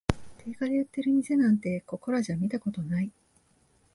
定価で売ってる店なんて、ここらじゃ見たことない